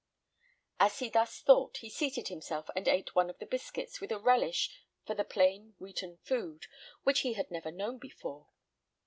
As he thus thought, he seated himself and ate one of the biscuits with a relish for the plain wheaten food which he had never known before.